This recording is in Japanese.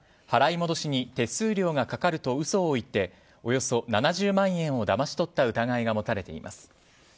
払い戻しに手数料がかかると嘘を言っておよそ７０万円をだまし取った疑いが持たれています。